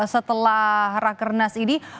setelah raker nas ini